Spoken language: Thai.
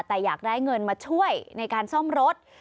แต่อยากได้เงินมาช่วยในการซ่อมรถ